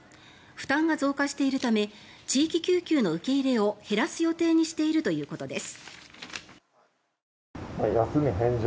負担が増加しているため地域救急の受け入れを減らす予定にしているということです。